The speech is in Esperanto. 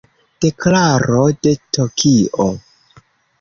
Deklaro de Tokio.